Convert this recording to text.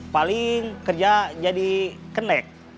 paling kerja jadi kenek